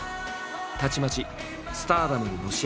たちまちスターダムにのし上がる。